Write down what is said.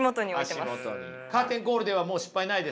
カーテンコールではもう失敗ないですか？